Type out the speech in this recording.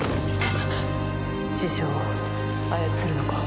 死者を操るのか！